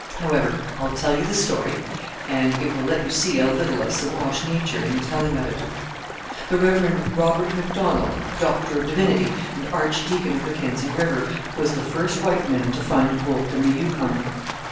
However, I'll tell you the story, and it will let you see a little of Siwash nature in the telling of it. "The Rev. Robert Macdonald, Doctor of Divinity and Archdeacon of MacKenzie River, was the first white man to find gold in the Yukon.